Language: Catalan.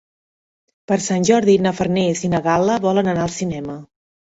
Per Sant Jordi na Farners i na Gal·la volen anar al cinema.